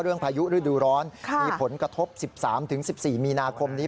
พายุฤดูร้อนมีผลกระทบ๑๓๑๔มีนาคมนี้